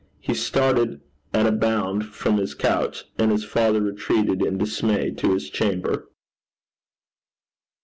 He started at a bound from his couch, and his father retreated in dismay to his chamber.